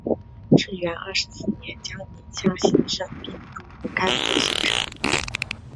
至元二十四年将宁夏行省并入甘肃行省。